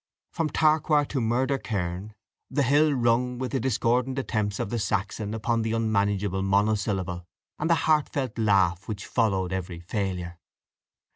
From Traquair to Murder cairn, the hill rung with the discordant attempts of the Saxon upon the unmanageable monosyllable, and the heartfelt laugh which followed every failure.